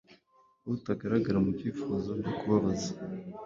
Utagaragara mubyifuzo byo kubabaza;